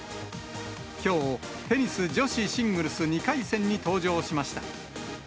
きょう、テニス女子シングルス２回戦に登場しました。